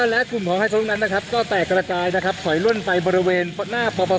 ทางกลุ่มมวลชนทะลุฟ้าทางกลุ่มมวลชนทะลุฟ้า